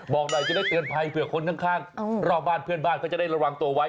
บอกหน่อยจะได้เตือนภัยเผื่อคนข้างรอบบ้านเพื่อนบ้านเขาจะได้ระวังตัวไว้